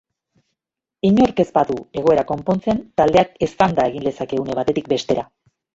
Inork ez badu egoera konpontzen, taldeak eztanda egin lezake une batetik bestera.